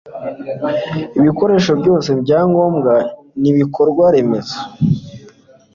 ibikoresho byose byangombwa n'ibikorwa remezo